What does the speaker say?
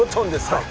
はい。